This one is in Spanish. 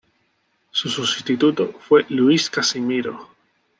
Su sustituto fue Luis Casimiro.